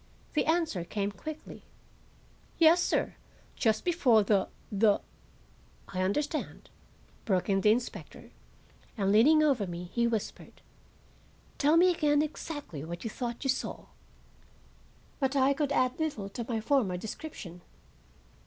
The answer came quickly. "Yes, sir,—just before the—the—" "I understand," broke in the inspector; and, leaning over me, he whispered: "Tell me again exactly what you thought you saw." But I could add little to my former description.